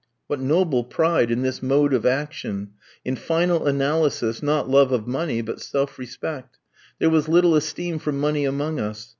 What noble pride in this mode of action! In final analysis not love of money, but self respect. There was little esteem for money among us.